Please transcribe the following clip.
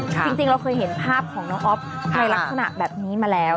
จริงเราเคยเห็นภาพของน้องอ๊อฟในลักษณะแบบนี้มาแล้ว